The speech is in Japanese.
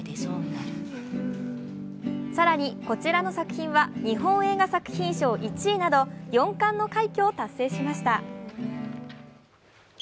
更にこちらの作品は日本映画作品賞１位など４冠の快挙を達成しました。